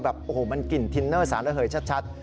แบบโอ้โหมันกลิ่นทินเนอร์สารระเหยชัด